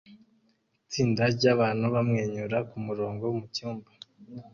Itsinda ryabantu bamwenyura kumurongo mucyumba